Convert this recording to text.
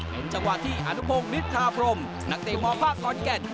เป็นจังหวะที่อนุพงศ์ฤทธาพรมนักเตะมภาคขอนแก่น